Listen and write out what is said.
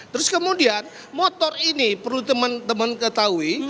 terus kemudian motor ini perlu teman teman ketahui